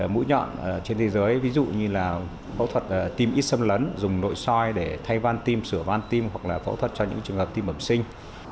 mũi nhọn trên thế giới ví dụ như là phẫu thuật tim ít xâm lấn dùng nội soi để thay van tim sửa van tim hoặc là phẫu thuật cho những trường hợp tim bẩm sinh